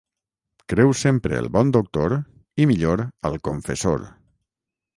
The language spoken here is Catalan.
Creu sempre el bon doctor i millor al confessor.